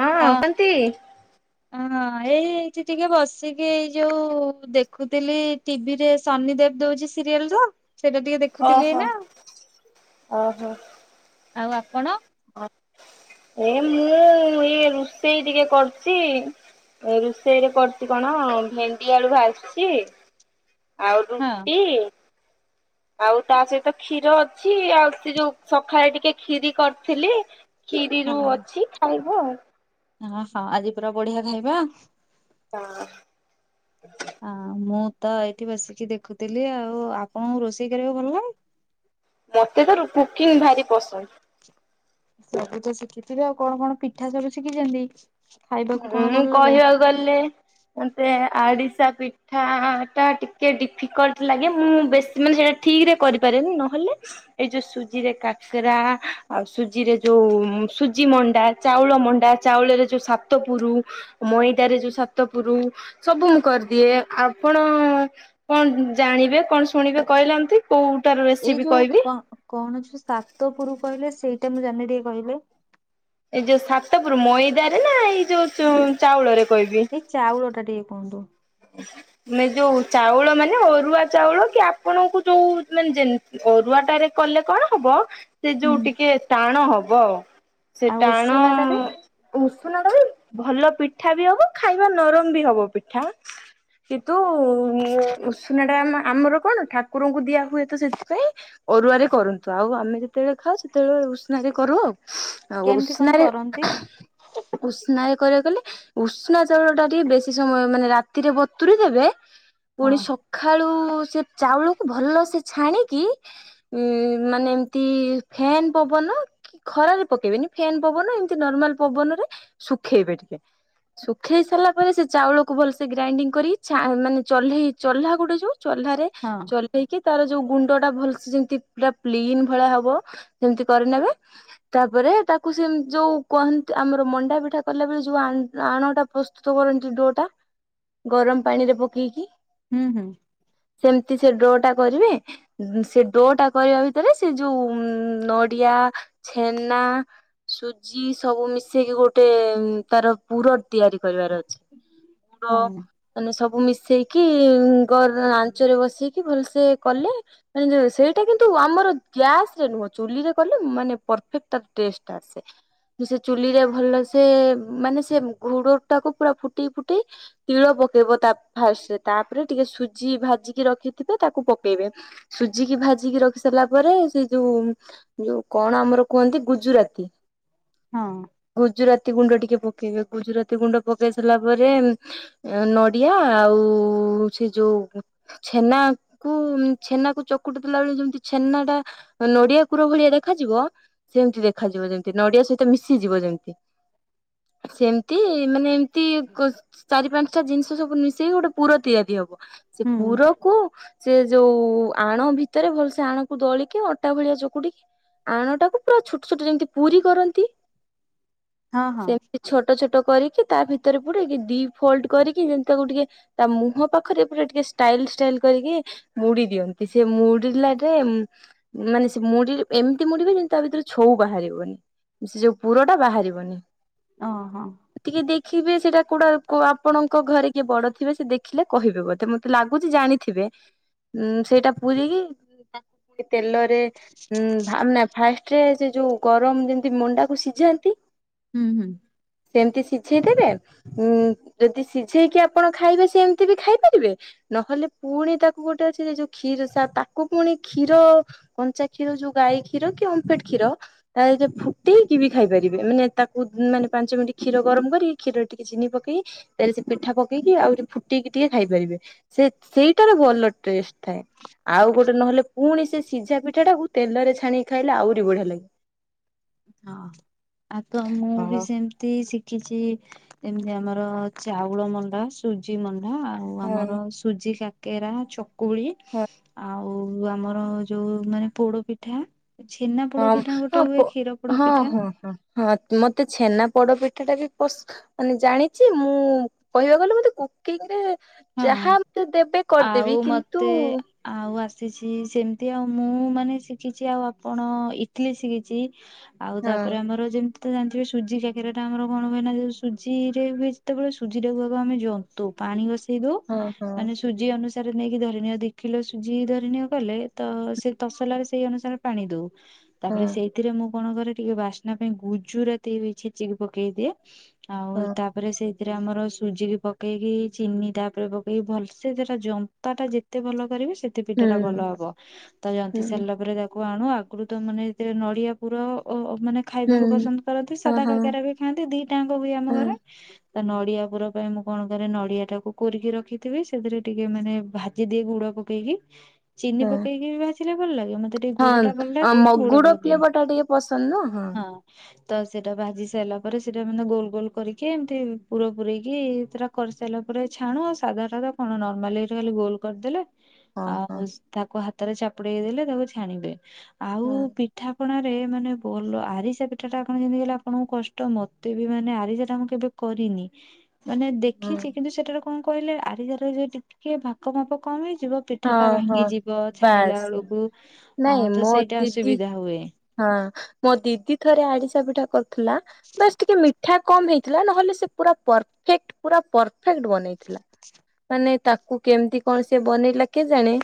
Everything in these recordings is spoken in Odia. ହଁ [unintelligible] ନ୍ତି। [inaudible] ହଁ ଏଇ ଏଇଠି ଟିକେ ବସିକି ଏଇ ଯୋଉ ଦେଖୁଥିଲି ଟିଭିରେ ସନି ଦେବ ଦଉଛି ସିରିଏଲ ତ ସେଇଟା ଟିକେ ଦେଖୁଥିଲି ଓହୋ ଏଇନା ଓହୋ ଆଉ ଆପଣ ଏ ମୁଁ ଇଏ ରୋଷେଇ ଟିକେ କରୁଛି ରୋଷେଇ ରେ କରୁଛି କଣ ଭେଣ୍ଡି ଆଳୁ ଭାଜୁଛି ଆଉ ହଁ। ରୁଟି ଆଉ ତା ସହିତ କ୍ଷୀର ଅଛି ଆଉ ସେ ଯୋଉ ସକାଳେ ଟିକେ କ୍ଷିରି କରିଥିଲି କ୍ଷିରିରୁ ଅଛି ଖାଇବ ଆ ହ ହଁ ଆଜି ପୁରା ବଢିଆ ଖାଇବା ହଁ ହଁ ମୁଁ ତ ଏଇଠି ବସିକି ଦେଖୁଥିଲି ଆଉ ଆପଣଙ୍କୁ ରୋଷେଇ କରିବାକୁ ଭଲ ଲାଗେ ମତେ ତ କୁକିଂ ଭାରି ପସନ୍ଦ ସବୁ ତ ଶିଖିଥିବେ ଆଉ କଣ କଣ ପିଠା ସବୁ ଶିଖିଛନ୍ତି? ଖାଇବାକୁ କଣ ମୁଁ ଭଲ ଲାଗେ କହିବାକୁ ଗଲେ ମତେ ଆରିଶା ପିଠା ଟା ଟିକେ ଡିଫିକଲ୍ଟ ଲାଗେ ମୁଁ ବେଶୀ ମାନେ ସେଇଟା ଠିକ ରେ କରିପାରେନି ନହେଲେ ଏଇ ଯୋଉ ସୁଜି ରେ କାକେରା ଆଉ ସୁଜିରେ ଯୋଉ ସୁଜି ମଣ୍ଡା ଚାଉଳ ମଣ୍ଡା ଚାଉଳରେ ଯୋଉ ସା ତପୁର ମଇଦାରେ ଯୋଉ ସାତ ପୁର ସବୁ ମୁଁ କରିଦିଏ ଆପଣ କଣ ଜାଣିବେ କଣ ଶୁଣିବେ କହିଲାନ୍ତି କୋଉଟା ର ଏଇ ରେସିପି ଯୋଉ କହିବି କ କଣ ସେ ସାତପୁର କହିଲେ ସେଇଟା ମୁଁ ଜାଣିନି ଟିକେ କହିଲେ ଏଇ ଯୋଉ ସାତପୁରୁ ମଇଦା ରେ ନା ଏଇ ଯୋଉ ଚାଉଳରେ କହିବି ଏଇ ଚାଉଳ ଟା ଟିକେ କୁହନ୍ତୁ ମେ ଯୋଉ ଚାଉଳ ମାନେ ଅରୁଆ ଚାଉଳ କି ଆପଣଙ୍କୁ ଯୋଉ ମାନେ ଯେ ଅରୁଆ ଟାରେ କଲେ କଣ ହବ ସେ ହୁଁ ଯୋଉ ଟିକେ ଟାଣ ହବ ସେ ଆଉ ଟାଣ ଉଷୁନା ଟାରେ ଉଷୁନା କଲେ ଭଲ ପିଠା ବି ହବ ଖାଇବା ନରମ ବି ହବ ପିଠା କିନ୍ତୁ ଉ ଉସୁନା ଟା ଆମ ଆମର କଣ ଠାକୁରଙ୍କୁ ଦିଆ ହୁଏ ତ ସେଥିପାଇଁ ଅରୁଆରେ କରନ୍ତୁ ଆଉ ଆମେ ଯେତେବେଳେ ଖାଉ ସେତେବେଳେ ଉସୁନା ରେ କରୁ ଆଉ ଆଉ କେମିତି କଣ ଉସନା ରେ କରନ୍ତି? ଉସ୍ନା ରେ କରିଆକୁ ଗଲେ ଉଷ୍ନା ଚାଉଳ ଟା ଟିକେ ବେଶୀ ସମୟ ମାନେ ରା ରାତିରେ ବତୁୁରି ଦେବେ ହଁ ପୁଣି ସ ଖାଳୁ ସେ ଚାଉଳକୁ ଭଲ ସେ ଛାଣିକି ଉ ମାନେ ଏମତି ଫେନ୍ ପବନ ଖରାରେ ପକେଇବେନି ଫ୍ୟେନ ପବନ ଏମିତି ନର୍ମାଲ ପବନ ରେ ଶୁଖେଇବେ ଟିକେ ଶୁଖେଇ ସାରିଲା ପରେ ସେ ଚାଉଳକୁ ଭଲ ସେ ଗ୍ରାଇଣ୍ଡିଙ୍ଗ କରି ଚା ମାନେ ଚଲ୍ହେଇ ଚଲ୍ହା ଗୋଟେ ଯୋଉ ଚହ୍ଲାରେ ହଁ ହେଇକି ତାର ଯୋଉ ଗୁଣ୍ଡ ଟା ଭଲସ ଯେମିତି ପୁରା ପ୍ଲିନ ଭଳିଆ ହବ ଯେମିତି କରିନେବେ ତାପରେ ତାକୁ ସେମତ୍ ଯୋଉ କୁହନ୍ତ ଆମର ମଣ୍ଡା ପିଠା କଲା ବଳେ ଯୋଉ ଆନ ଆଣଟା ପ୍ର ସ୍ତୁତ କରନ୍ତି ଯୋଉ ଦୋ ଟା ଗରମ ପାଣି ରେ ପକେଇକି ହୁଁ ହୁଁ ସେମତି ସେ ଡ୍ରୋ ଟା କରିବେ ସେ ଡୋ ଟା କରିବା ଭିତରେ ସେ ଯୋଉ ନଡିଆ, ଛେନା ସୁଜି ସବୁ ମିଶେଇକି ଗୋଟେ ତାର ପୁରଟ ତିଆରି କରିବାର ଅଛି ଗୁଡ ହଁ ମାନେ ସବୁ ମିଶେଇକି ଘର ଆଞ୍ଚରେ ବସେଇକି ଭଲସେ କଲେ ମାନେ ସେଇଟା କିନ୍ତୁ ଆମର ଗ୍ୟାସ ରେ ନୁହଁ ଚୁଲିରେ ଗଲେ ମାନେ ପରଫେକ୍ଟ ତାର ଟେଷ୍ଟ ଟା ଆସେ ସେ ଚୁଲି ରେ ଭଲ ସେ ମାନେ ସେ ଘୋଡ ଟାକୁ ପୁରା ଫୁଟେଇ ଫୁଟେଇ ତିଳ ପକେଇବ ତା ଫାଷ୍ଟରେ ତାପରେ ଟିକେ ସୁଜି ଭାଜିକି ରଖିଥିବେ ତାକୁ ପକେଇବେ। ସୁଜିକି ଭାଜିକି ରଖି ସାରିଲା ପରେ ସେ ଯୋଉ ଯୋଉ କଣ ଆମର କୁହନ୍ତି ଗୁଜୁରାତି। ହଁ। ଗୁଜୁରାତି ଗୁଣ୍ଡ ଟିକେ ପକେଇବେ ଗୁଜୁରାତି ଗୁଣ୍ଡ ପକେଇ ସାରିଲା ପରେ ଅ ନଡିଆ ଆଉ ସେ ଯୋଉ ଛେନା କୁ ଛେନାକୁ ଚକୁଟି ଦେଲା ବେଳେ ଯେମିତି ଛେନାଟା ନଡିଆ କୁର ଭଳିଆ ଦେଖାଯିବ। ସେମତି ଦେଖାଯିବ ଯେମତି ନଡିଆ ସହିତ ମିଶିଯିବ ଯେମତି। ସେମତି ମାନେ ଏମତି କୁସ୍‌ ଚାରି ପାଞ୍ଚ ତା ଜିନିଷ ସବୁ ମିଶେଇକି ଗୋଟେ ପୁର ତିଆଦି ହବ ସେ ହୁଁ ପୁରକୁ ସେ ଯୋଉ ଆଣ ଭିତରେ ଭଲସେ ଆଣକୁ ଦଳିକି ଅଟା ଭଳିଆ ଚକୁଡିକି ଆଣଟାକୁ ପୁରା ଛୋଟ ଛୋଟ ଯେମତି ପୁରୀ କରନ୍ତି ହଁ ହଁ ସେମିତ୍। ଛୋଟ ଛୋଟ କରିକି ତା ଭିତରେ ପୁରେଇକି ଦି ଫୋଲ୍ଡ କରିକି ଯେମ୍ ତାକୁ ଟିକେ ତା ମୁହଁ ପାଖରେ ପୁରା ଟିକେ ଷ୍ଟାଇଲ ଷ୍ଟାଇଲ କରିକି ମୁଡି ଦିଅନ୍ତି ସେ ମୁଡିଲାଯାଏ ମାନେ ସେ ମୁଡି ଏମ୍ତି ମୁଡିବେ ଯେମ୍ତି ତା ଭିତରେ ଛଉ ବାହାରିବନି। ସେ ଯୋଉ ପୁରଟା ବାହାରିବନି। ଅ ହଁ। ଟିକେ ଦେଖିବେ ସେଟା କୋଡ଼ା କୋଉ ଆ ଆପଣଙ୍କ ଘରେ କିଏ ବଡ ଥିବେ ସେ ଦେଖିଲେ କହିବେ ବୋଧେ ମତେ ଲାଗୁଚି ଜାଣିଥିବେ। ଉଁ ସେଇଟା ପୁରିହିଁ ତାକୁ କେ ତେଲରେ ଉଁ ଭା ନା ଫାଷ୍ଟ ରେ ସେ ଯୋଉ ଗରମ୍ ଯେମ୍ତି ମଣ୍ଡାକୁ ସିଝାନ୍ତି ହୁଁ-ହୁଁ। ସେମ୍ତି ସିଝେଇ ଦେବେ ଉଁ ଯଦି ସିଝେଇକି ଆପଣ ଖାଇବେ ସେମ୍ତି ବି ଖାଇ ପାରିବେ ନହଲେ ପୁଣି ତାକୁ ଗୋଟେ ଅଛି ସେ ଯୋଉ କ୍ଷୀର ସା ତାକୁ ପୁଣି କ୍ଷୀର କଞ୍ଚା କ୍ଷୀର ଯୋଉ ଗାଈ କ୍ଷୀର କି ଓମ୍ ଫେଡ୍‌ କ୍ଷୀର ତା ସହିତ ଫୁଟେଇକି ବି ଖାଇପାରିବେ ମାନେ ତାକୁ ମାନେ ପାଞ୍ଚ ମିଣ୍ଟି କ୍ଷୀର ଗରମ୍ କରିକି କ୍ଷୀର ଟି ଚିନି ପକେଇ ତେଲେ ସେ ପିଠା ପକେଇକି ଆଉରି ଫୁଟେଇକି ଟିକେ ଖାଇ ପାରିବେ ସେ ସେଇଟାର ଭଲ ଟେଷ୍ଟ। ଥାଏ ଆଉ ଗୋଟେ ନହେଲେ ପୁଣି ସେ ସିଝା ପିଠାଟାକୁ ତେଲରେ ଛାଣିକି ଖାଇଲେ ଆହୁରି ବଢିଆ ଲାଗେ। ହଁ ଆଗ ମୁଁ ବି ହଁ ସେମ୍ତି ଶିକ୍ ଖିଛି ଏମତି ଆମର ଚାଉଳ ମଣ୍ଡା ସୁଜି ମଣ୍ଡା ଆଉ ଆମର ସୁଜି କାକେରା ଚକୁଳି ହଁ ଆଉ ଓଉ ଆମର ଯୋଉ ମାନେ ପୋଡ ପିଠା ଛେନା ପୋଡ ପିଠା ଗୋଟେ ହୁଏ କ୍ଷୀର ପୋଡ ପିଠା ହଁ-ହଁ-ହଁ-ହଁ ମତେ ଛେନା ପୋଡ ପିଠାଟା ବି ପସ୍‌ ମାନେ ଜାଣିଚି ମୁଁ କହିବାକୁ ଗଲେ ମତେ କୁକିଂରେ ହଁ ଯାହା ମତେ ଦେବେ କରଦେବି ଆଉ କିନ୍ତୁ ମତେ ଆଉ ଆସିଛି ସେମ୍ତି ଆଉ ମୁଁ ମାନେ ଶିଖିଚି ଆଉ ଆପଣ ଇଟଲି ଶିଖିଛି ଆଉ ହଁ ତାପରେ ଆମର ଯେ ତ ଜାଣିଥିବେ ସୁଜି କାକେରାଟା ଆମର କଣ ହୁଏ ନା ଯେ ସୁଜିରେ ହୁଏ ଯେତବେଳେ ସୁଜିଟାକୁ ଆମେ ଜନ୍ତୁ ପାଣି ଗ ଇ ଦଉ ହଁ ହଁ ମାନେ ସୁଜି ଅନୁସାରେ ନେଇକି ଧରିନିଅ ଦି କିଲୋ ସୁଜି ଧରିନିଅ କଲେ ତ ସେ ତସଲାରେ ସେଇ ଅନୁସାରେ ପାଣି ଦଉ ହଁ ତାପରେ ସେଇଥିରେ ମୁଁ କଣ କରେ ଟିକେ ବାସ୍‌ ନା ପାଇଁ ଗୁଜୁରାତି ବି ଛେଚିକି ପକେଇଦିଏ, ଆଉ ହଁ ତା ପରେ ସେଇଥିରେ ଆମର ସୁଜିକି ପକେଇକି ଚିନି ତାପରେ ପକେଇ ଭଲସେ ସେଟା ଜନ୍ତାଟା ଯେତେ ଭଲ କରିବେ ସେ ତେ ପିଠାଟା ହୁଁ ଭଲ ହବ ତ ଜନ୍ତି ହୁଁ ସାରିଲା ପରେ ତାକୁ ଆଣୁ ଆଗୁରୁ ତ ମାନେ ଯେତେ ନଡିଆ ପୁର [unintelligible] ମାନେ ହୁଁ ଖାଇବାକୁ ପସନ୍ଦ କରନ୍ତି ହଁ ସାଦା ହଁ କାକେରା ବି ଖାଆନ୍ତି ଦିଟାଙ୍କ ହୁଏ ଆମ ହଁ ଘରେ ତା ନଡିଆ ପୁର ପାଇଁ ମୁଁ କଣ କରେ ନଡିଆ ଟାକୁ କୋରିକି ରଖିଥିବେ ସେଥିରେ ଟିକେ ମାନେ ଭାଜିଦିଏ ଗୁଡ ପକେଇକି ଚିନି ହଁ ପକେଇକି ବି ଭାଜିଲେ ଭଲ ଲାଗେ ମତେ ଟିକେ ଗୁଡ ଟା ଭଲ ହଁ ଲାଗେ ଗୁଡ ମଗୁଡ ପକେଇଦି ଫ୍ଲେଭର ଟା ଟିକେ ପସନ୍ଦ ନା ହଁ। ତ ସେଇଟା ଭାଜି ସାରିଲା ପରେ ସେଟା ମାନେ ଗୋଲ୍-ଗୋଲ୍ କରିକି ଏମ୍ତି ପୁର ପୁରେଇକି କରିସାରିଲା ପରେ ଛାଣ ସାଧାରତ କଣ ନର୍ମାଲି ଖାଲି ଗୋଲ୍ କରିଦେଲେ, ହଁ ଆଉ ତାକୁ ହାତରେ ଚାପୁଡେଇ ଦେଲେ ତାକୁ ଛାଣିବେ, ଆଉ ହଁ ପିଠାପଣାରେ ମାନେ ଭଲ ଆରିସା ପିଠା ଟାଣ ଯେମ୍ତି ହେଲେ ଆପଣଙ୍କୁ କଷ୍ଟ ମତେ ବି ମାନେ ଆରିସା ଟା ମୁଁ କେବେ କରିନି। ମାନେ ହଁ ହଁ ଦେଖିଚି କିନ୍ତୁ ସେଠାରେ କଣ କହିଲେ ଆରିଜାର ଟିକେ ଭାକ ମାପ କମ ହେଇଯିଵ ପିଠା ଟା ହଁ ହଁ ଭାଙ୍ଗି ଯିବ ଛାଣିଲା ବାସ୍ ବେଳକୁ ଆ ନାଇଁ ତ ମୋ ସେଇଟା ଦିଦି ଅସୁବିଧା ହୁଏ। ହଁ ମୋ ଦିଦି ଥରେ ଆଡିସା ପିଠା କରୁଥିଲା ବାସ୍ ଟିକେ ମିଠା କମ୍ ହେଇ ଥିଲା ନହେଲେ ସେ ପୁରା ପରଫେକ୍ଟ ପୁରା ପରଫେକ୍ଟ ବନେଇଥିଲା। ମାନେ ତାକୁ କୁ କେମିତି କଣ ସେ ବନେଇଲା କେଜାଣି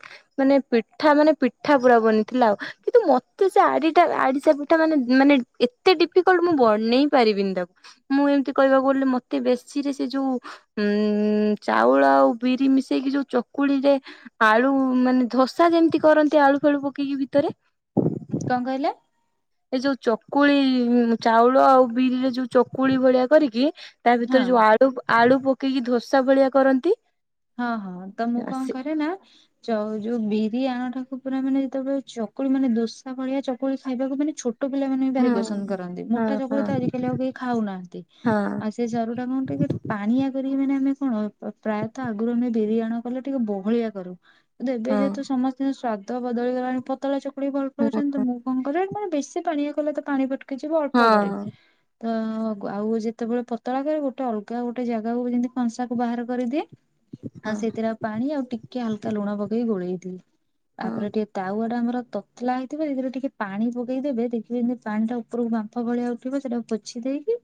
ମାନେ ପିଠା ମାନେ ପିଠା ପୁରା ବନିଥିଲା ଆଉ। କିନ୍ତୁ ମତେ ସେ ଆରି ଟା ଆଡିଶା ପିଠା ମାନେ ମାନେ ଏତେ ଡିଫିକଲ୍ଟ ମୁଁ ବନେଇ ପାରିବିନି ତାକୁ। ମୁଁ ଏମିତି କହିବାକୁ ଗଲେ ମତେ ବେଶୀ ରେ ସେ ଯୋଉ ଉଁ ଉଁ ଚାଉଳ ଆଉ ବିରି ମିଶେଇକି ଯୋଉ ଚକୁଳିରେ ଆଳୁ ମାନେ ଧୋସା ଯେମିତି କରନ୍ତି ଆଳୁ ଫାଳୁ ପକେଇକି ଭିତରେ। କ କହିଲେ? ଏ ଯୋଉ ଚକୁଳି ଚାଉଳ ଆଉ ବିରିରେ ଯୋଉ ଚକୁଳି ଭଳିଆ କରିକି ତା ହଁ ଭିତରେ ଯୋଉ ଆଳୁ ଆଳୁ ପକେଇକି ଧୋସା ଭଳିଆ କରନ୍ତି। ହଁ ହଁ ତ ମୁଁ କ ସେ କରେ ନାଁ। ଚ ଯୋଉ ବିରି ଆଣଟାକୁ ପୁରା ମାନେ ଯେତେବେଳେ ଚକୁଳି ମାନେ ଦୋସା ଭଳିଆ ଚକୁଳି ଖାଇବାକୁ ମାନେ ଛୋ ଛୋଟ ପିଲାମାନେ ବି ହଁ ଭାରି ପସନ୍ଦ କରନ୍ତି। ହଁ ମୋଟା ଚକୁଳ ହଁ ତ ଆଜିକାଲି ଆଉ କେହି ଖାଉନାହାନ୍ତି। ହଁ ଆସ ସେ ସରୁ ଟା କଣ ଟିକେ ପାଣିଆ କରିକି ମାନେ ଆମେ କଣ ପ୍ରାୟ ତା ଆଗରୁ ଆମେ ବିରିୟାଣ କଲେ ଟିକେ ବହଳିଆ କରୁ। କିନ୍ତୁ ଏବେ ହଁ ଯେହେତୁ ସମସ୍ତେ ସ୍ୱଦ ବଦଳିଗଲାଣି ପତଳା ଚକୁଳି ଭଲ ପାଉଛନ୍ତି ତ ହଁ ମୁଁ କଣ କରେ ମାନେ ବେଶୀ ପାଣିଆ କଲେ ତ ପାଣିଫଟ କା କିଛି ବି ଅଳ୍ପ କରେ। ହଁ ତ ଆଉ ଯେତେବେଳେ ପତଳା କରେ ଗୋଟେ ଅଲଗା ଗୋଟେ ଜାଗାକୁ ଯେମିତି କଂସା କୁ ବାହାର କରିଦିଏ। ହଁ ହଁ ହଁ ଆଉ ସେଥିରେ ଆଉ ପାଣି ଆଉ ଟିକେ ହାଲୁକା ଲୁଣ ପକେଇ ଗୋଳେଇ ଦିଏ। ହଁ ତାପରେ ଟିକେ ତାୱା ଟା ଆମର ତ ପତଲା ହେଇଥିବ ସେଥିରେ ଟିକେ ପାଣି ପକେଇଦବେ ଦେଖିବେ ଯେମିତି ପାଣି ଟା ଉପରକୁ ବାମ୍ଫ ଭଳିଆ ଉଠିବ ସେଟାକୁ ପୋଛି ଦେଇକି।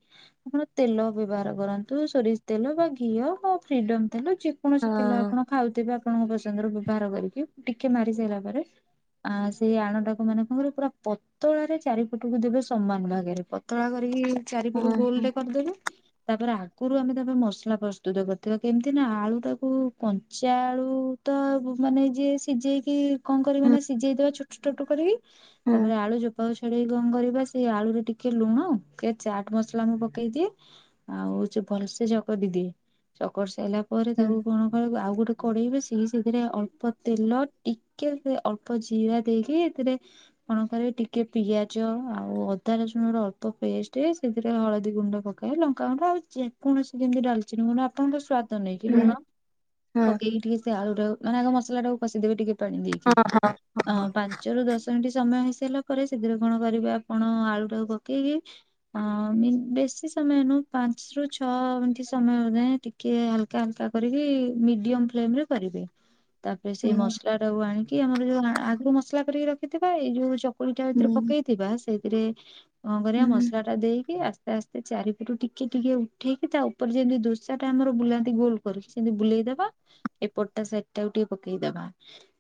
ଆପଣ ତେଲ ବ୍ୟବହାର କରନ୍ତୁ। ସୋରିଷ ତେଲ ବା ଘିଅ ଫିଡମ୍ ତେଲ ଯେକୌଣସି ତେଲ ଆପଣ ଖାଉଥିବେ ଆପଣଙ୍କ ପସନ୍ଦରୁ ବ୍ୟବହାର କରିକି ଟିକେ ମାରି ସାରିଲା ପରେ ଆ ସେଇ ଆଣଟାକୁ ମାନେ କଣ କରିବ ପୁରା ପ ପତଳାରେ ଚାରିପଟକୁ ଦେବେ ସମାନ ଭାଗରେ ପତଳା କରିକି ଚାରିପଟୁ ହଁ ଗୋଲ ହଁ ରେ କରିଦେବେ। ତାପରେ ଆଗରୁ ଆମେ ତାପରେ ମସଲା ପ୍ରସ୍ତୁତ କରିଥିବା। କେମିତି ସେନା ଆଳୁଟାକୁ କଞ୍ଚା ଆଳୁ ତ ଆଉ ମାନେ ଯିଏ ସିଝେଇକି କ କରିବେ ନା ସିଝେଇଦେବେ ଛୋଟ ଛୋଟୁ କରିକି। ତାପରେ ଆଳୁ ଯଉ ତଳେ ଛଡେଇ କ କରିବା ସେଇ ଆଳୁରେ ଟିକେ ଲୁଣ ଟିକେ ଚାଟ ମସଲା ମୁଁ ପକେଇଦିଏ। ଆଉ ଚେ ଭଲସେ ଚକତିଦିଏ। ଚକଡି ସାଇଲା ପରେ ହୁଁ ତାକୁ କଣ କରେ ଆଉ ଗୋଟେ କଡେଇବେ ସିଏ ସେଥିରେ ଅଳ୍ପ ତେଲ ଟିକେ ଅଳ୍ପ ଜିରା ଦେଇକି ସେଥିରେ କଣ କରିବେ ଟିକେ ପିଆଜ ଆଉ ଅଦା ରସୁଣ ର ଅଳ୍ପ ପେଷ୍ଟେ ସେଥିରେ ହଳଦୀ ଗୁଣ୍ଡ ପକା ଲଙ୍କା ଗୁଣ୍ଡ ଆଉ କୌଣସି ଯେମିତି ଡାଲଚିନି ଗୁଣ୍ଡ ଆପଙ୍କର ସ୍ଵା ଦ ନେଇକି ହୁଁ ଲୁଣ। ହଁ ହଁ ପକେଇକି ଟିକେ ସେ ଆଳୁ ଟା ମାନେ ଆଗ ମସଲା ଟାକୁ ଆଗେ କଷିଦେବେ ଟିକେ ପାଣି ଦେଇ କି। ଅ ପାଞ୍ଚ ରୁ ଦଶ ମିନିଟ୍ ସମୟ ହେଇସାରିଲା ପରେ ସେଧୀରେ କଣ କରିବେ ଆପଣ ଆଳୁ ଟାକୁ ପକେଇକି ଆ ମିନି ବେଶୀ ସମୟ ନୁ। ପାଞ୍ଚ ରୁ ଛଅ ଏତି ସମୟ ଯାଏ ଟିକେ ହାଲ କାନ୍ତା କରିକି ମିଡିୟମ ଫ୍ଲେମ ରେ କରିବେ। ତାପରେ ସେଇ ହୁଁ ମସଲା ଟାକୁ ଆଣିକି ଆମର ଯୋଉ ଆଗୁରୁ ମସଲା କରିକି ରଖିଥିବା ଏଇ ଯୋଉ ଚ ଚକୁଳି ତା ଏଇଥିରେ ହୁଁ ପକେଇଥିବା ସେଇଥିରେ କ କରିବା ହୁଁ ମସଲା ଟା ଦେଇକି ଆସ୍ତେ ଆସ୍ତେ ଚାରିପେଟୁ ଟିକେ ଟିକେ ଉଠେଇକି ତାଉଁ ଉପରେ ଯେମିତି ଦୁଶା ଟା ଆମର ବୁଲାନ୍ତି। ଗୁଲୁ କରିକି ସେମିତି ବୁଲେଇଦବା। ଏପଟଟା ସାଇଟା ଟାକୁ ଟିକେ ପକେଇଦବା।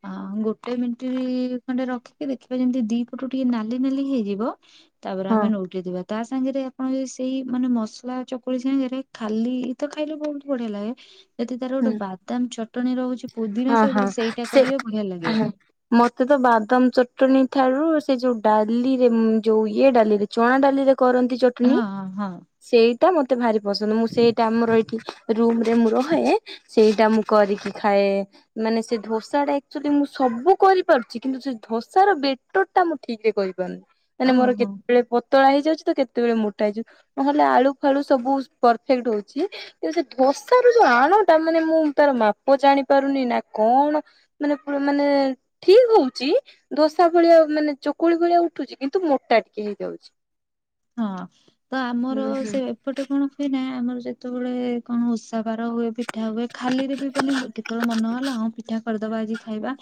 ଆଁ ଗୋଟେ ମିଟିଇ ଖଣ୍ଡେ ରଖିକି ଦେଖିବା ଯେମିତି ଦି ପଟୁ ଟିକେ ନାଲି ନାଲି ହେଇଯିବ। ତା ପରେ ହଁ ଆମେ ନଉ ଯିବା ତା ସାଙ୍ଗରେ ଆପଣ ଯଦି ସେଇ ମାନେ ମସଲା ଚକୁଳି ସାଙ୍ଗରେ ଖାଲି ତ ଖାଇଲେ ବହୁ ବଢିଆ ଲାଗେ। ଯଦି ତାର ହୁଁ ଗୋଟେ ବାଦାମ ଚଟଣି ରହୁଚି ପୁଦିନା ହଁ ହଁ ସହିତ ସେଇଟା ସେ କରିବେ ବଢିଆ ଲାଗେ। ହଁ ମତେ ତ ବାଦାମ ଚଟଣି ଠାରୁ ସେ ଯୋଉ ଡାଲିରେ ଯୋଉ ଇଏ ଡାଲିରେ ଚଣା ଡାଲିରେ କରନ୍ତି ଚଟଣି? ହଁ ହଁ ସେଇଟା ମତେ ଭାରି ପସନ୍ଦ ମୁଁ ସେଇଟା ଆମର ଏଇଠି ରୁମ୍ ରେ ମୁଁ ରହେ। ସେଇଟା ମୁଁ କରିକି ଖାଏ। ମାନେ ସେ ଧୋସା ଟା ଆକ୍ଚୁଆଲି ମୁଁ ସବୁ କରିପାରୁଚି କିନ୍ତୁ ସେ ଧୋସାର ବେ ତୋଟା ମୁଁ ଠିକ୍ ରେ କରିପାରୁନି। ମାନେ ମୋର ଓହୋ କେତେବେଳେ ପତ ତଳା ହେଇଯାଉଚି ତ କେତେବେଳେ ମୋଟା ହେଇଯିବ ନହେଲେ ଆଳୁ ଫାଳୁ ସବୁ ପରଫେକ୍ଟ ହୋଉଚି। କିନ୍ତୁ ସେ ବସ୍ତା ରୁ ଯୋଉ ଆଣଟା ମାନେ ମୁଁ ତାର ମାପ ଜାଣି ପାରୁନି ନା କଣ? ମାନେ ପ ମାନେ ଠିକ୍ ହୋଉଚି। ଦୋସା ଭଳିଆ ମାନେ ଚକୁଳି ଭଳିଆ ଉଠୁଚି। କିନ୍ତୁ ମୋଟା ଟିକିଏ ହେଇଯାଉଚି। ହଁ ତ ଆମର ହୁଁ ସେ ଏପଟେ କଣ ହୁଏନା ଆମର ଯେତେବେଳେ କଣ ଓଷା ବାର ହୁଏ। ପିଠା ହୁଏ। ଖାଲିରେ ବି ମାନେ କେତେବେଳେ ମନହେଲା ହଁ ପିଠା କରିଦବା ଆଜି ଖାଇବା।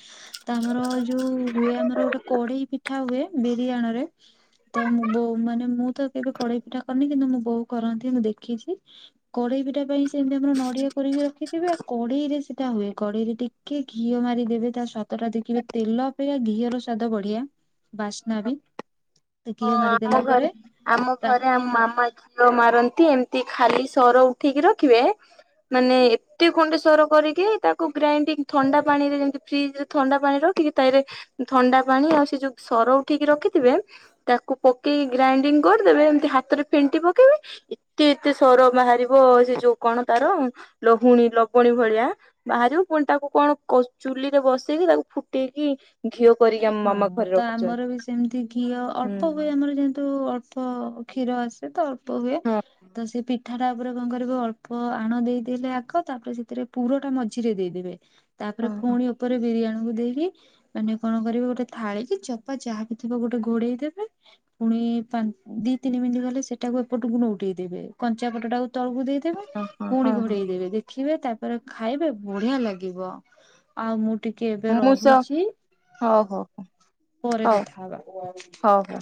ତା ଆମର ଯୋଉ ହୁଏ ଆମର ଗୋଟେ କଡେଇ ପିଠା ହୁଏ। ବିରି ଆଣରେ ତ ମୁ ବୋ ମାନେ ମୁଁ ତ କେବେ କଡେଇ ପିଠା କରିନି କିନ୍ତୁ ମୋ ବୋଉ କରନ୍ତି ମୁଁ ଦେଖିଚି। କଡେଇ ପିଠା ପାଇଁ ସେମିତି ଆମର ନଡିଆ କୋରିକି ରଖିଥିବେ। କଡେଇରେ ସେଇଟା ହୁଏ। କଡେଇରେ ଟିକ୍ କିଏ ଘିଅ ମାରିଦେବେ ତା ସ୍ବାଦ ଟା ଦେଖିବେ ତେଲ ଅପେକ୍ଷା ଘିଅର ସ୍ବାଦ ବଢିଆ। ବାସ୍ନା ବି ହଁ ଘିଅ ଆମ ମାରିଦେଲା ଘରେ ପରେ। ଆମ ତା ଘରେ ଆମ ମାମା ଘିଅ ମାରନ୍ତି। ଏମତି ଖାଲି ସର ଉଠିକି ରଖିବେ। ମାନେ ଏତେ ଖଣ୍ଡେ ସର କରିକି ତାକୁ ଗ୍ରାଇଣ୍ଡିଂ ଥଣ୍ଡା ପାଣିରେ ଯେମିତି ଫ୍ରିଜରେ ଥଣ୍ଡା ପାଣି ରଖିକି ତାଇରେ ଥଣ୍ଡା ପାଣି ଆଉ ସେ ଯୋଉ ସର ଉଠେଇକି ରଖିଥିବେ ତାକୁ ପକେଇ ଗ୍ରାଇଣ୍ଡିଙ୍ଗ କରିଦେବେ ଏମିତି ହାତରେ ଫେଣ୍ଟି ପକେଇବେ ଏତେ ଏତେ ସର ବାହାରିବ ସେ ଯୋଉ କଣ ତାର ଲହୁଣୀ ଲବଣୀ ଭଳିଆ। ବାହାରିବୁ ପୁଣି ତାକୁ କଣ କ ଚୁଲି ରେ ବସେଇକି ତାକୁ ଫୁଟେଇକି ଘିଅ କରିକି ଆମ ହଁ ମାମା ଘରେ ତ ଆମର ରଖୁଚନ୍ତି। ବି ସେମିତି ଘିଅ ଅଳ୍ପ ହୁଏ। ଆମର ଯେହେତୁ ଅଳ୍ପ କ୍ଷୀର ଆସେ ତ ଅଳ୍ପ ହୁଏ ହଁ। ତେଣୁ ସେ ପି ପିଠଟା ଉପରେ କଣ କରିବ ଅଳ୍ପ ଆଣ ଦେଇଦେଇ ଆଗ। ତାପରେ ସେଥିରେ ପୁର ଟା ମଝିରେ ଦେଇଦେବେ ତାପରେ ଓହୋ ପୁଣି ଓପରେ ବିରିଆଣକୁ ଦେଇକି ମାନେ କଣ କରିବେ ଗୋଟେ ଥାଳି କି ଚପା ଯାହା ବି ଥିବ ଗୋଟେ ଘୋଡେଇ ଦେବେ। ପୁଣି ପାଞ୍ଚ ଦି ତିନି ମିନିଟ୍ ଗଲେ ସେଇଟାକୁ ଏପଟକୁ ନେଉଟେଇଦେବେ। କଞ୍ଚା ପଟ ଟାକୁ ତଳକୁ ଦେଇଦେବେ। ହଁ ହଁ ପୁଣି ହଁ ହଁ ହଁ ଘୋଡେଇ ଦେବେ। ଦେଖିବେ ତାପରେ ଖାଇବେ ବଢିଆ ଲାଗିବ। ଆଉ ମୁଁ ଟିକିଏ ଏବେ ମୁଁ ସ ରହୁଚି। ହଉ ହଉ ହଉ ପରେ ହଉ କଥା ହବା। ହଉ।